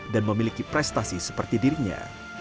dan memiliki prestasi seperti dirinya